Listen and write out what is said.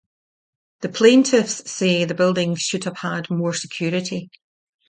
The plaintiffs say the buildings should have had more security.